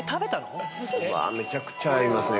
うわめちゃくちゃ合いますね。